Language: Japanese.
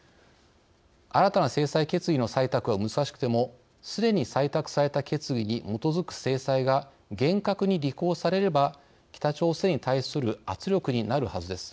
新たな制裁決議の採択が難しくてもすでに採択された決議に基づく制裁が厳格に履行されれば北朝鮮に対する圧力になるはずです。